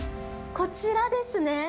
こちらですね。